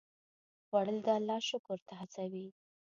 خوړل د الله شکر ته هڅوي